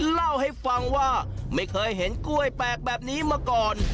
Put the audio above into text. เล่าให้ฟังว่าไม่เคยเห็นกล้วยแปลกแบบนี้มาก่อน